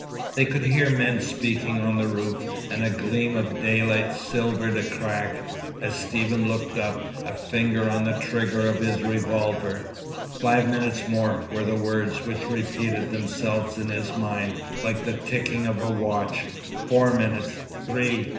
They could hear men speaking on the roof, and a gleam of daylight silvered a crack, as Stephen looked up, a finger on the trigger of his revolver. "Five minutes more," were the words which repeated themselves in his mind, like the ticking of a watch. "Four minutes. Three.